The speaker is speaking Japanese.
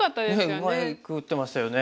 うまく打ってましたよね。